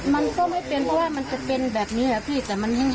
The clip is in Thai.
มันก็ไม่เป็นเพราะว่ามันจะเป็นแบบนี้อะพี่แต่มันยิ่ง